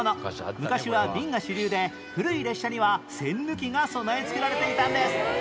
昔は瓶が主流で古い列車には栓抜きが備え付けられていたんです